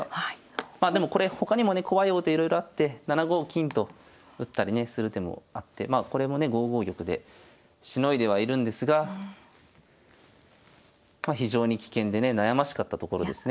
まあでもこれほかにもね怖い王手いろいろあって７五金と打ったりねする手もあってまあこれもね５五玉でしのいではいるんですが非常に危険でね悩ましかったところですね。